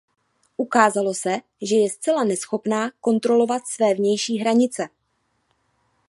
Ukázalo se, že je zcela neschopná kontrolovat své vnější hranice.